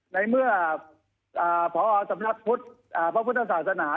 ในเมื่อพอสำนักพุทธพระพุทธศาสนา